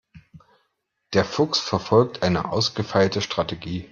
Der Fuchs verfolgt eine ausgefeilte Strategie.